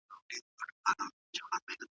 روغتیا د کار وړتیا لوړوي.